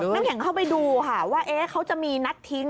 นั่งเห็นเขาไปดูว่าเอ๊คเขาจะมีนัดทิ้ง